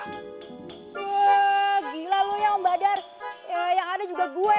gila lo ya om badar yang ada juga gue